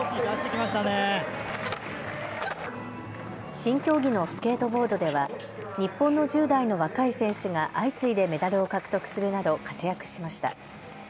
新競技のスケートボードでは日本の１０代の若い選手が相次いでメダルを獲得するなど活躍しました。